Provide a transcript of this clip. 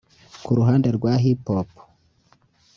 Ku ruhande rwa Hip Hop